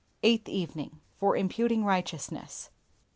EIGHTH EVENING. FOR IMPUTED RIGHTEOUSNESS.